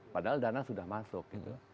padahal dana sudah masuk